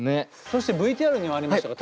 そしてＶＴＲにもありましたが☆